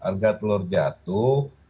harga telur jatuh